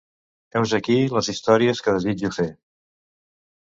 Heus aquí les històries que desitjo fer.